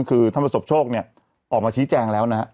คือท่านประสบโชคเนี่ยออกมาชี้แจงแล้วนะฮะ